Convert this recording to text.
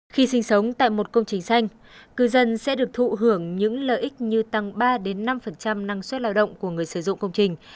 khi sinh sống tại một công trình xanh cư dân sẽ được thụ hưởng những lợi ích như tăng ba năm năng suất lao động của người sử dụng công trình